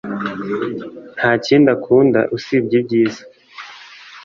Nta kindi akunda usibye ibyiza